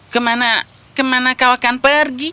kemana kemana kau akan pergi